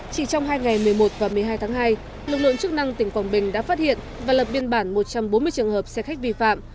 chỉ trong hai ngày một mươi một và một mươi hai tháng hai lực lượng chức năng tỉnh quảng bình đã phát hiện và lập biên bản một trăm bốn mươi trường hợp xe khách vi phạm